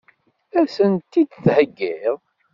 Ad sent-t-id-theggiḍ?